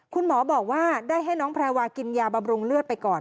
คุณหมอบอกว่าได้ให้น้องแพรวากินยาบำรุงเลือดไปก่อน